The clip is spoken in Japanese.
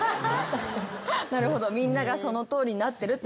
なるほどみんながそのとおりになってる。